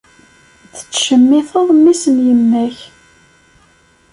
Tettcemmiteḍ mmi-s n yemma-k.